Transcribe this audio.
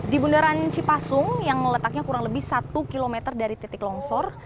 di bundaran cipasung yang meletaknya kurang lebih satu km dari titik longsor